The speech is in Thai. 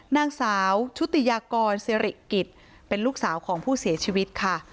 นางสาวชุติยากรสิริกิจเป็นลูกสาวของผู้เสียชีวิตค่ะ